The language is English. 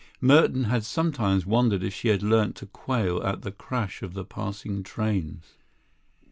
Merton had sometimes wondered if she had learnt to quail at the crash of the passing trains.